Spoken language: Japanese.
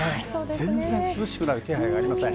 全然涼しくなる気配がありません。